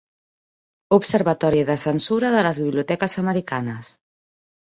Observatori de censura de les biblioteques americanes.